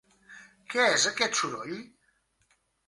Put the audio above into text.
Què és aquest soroll?